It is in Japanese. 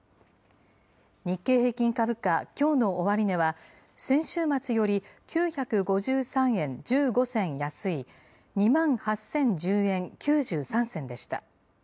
日経平均株価、きょうの終値は、先週末より９５３円１５銭安い、２万８０１０円９３銭でした。